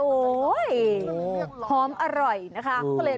หอมอร่อยนะคะ